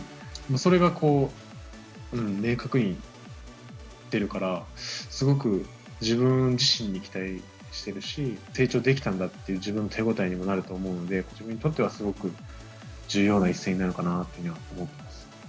それが明確に出るから、すごく自分自身に期待してるし、成長できたんだっていう自分の手応えにもなると思うので、自分にとってはすごく重要な一戦になるかなと思っています。